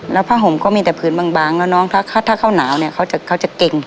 แล้วผ้าห่มก็มีแต่พื้นบางแล้วน้องถ้าเขาหนาวเนี่ยเขาจะเก่ง